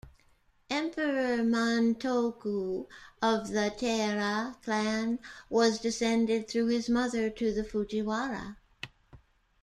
Emperor Montoku of the Taira clan was descended through his mother to the Fujiwara.